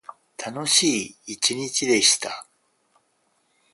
楽しい一日でした。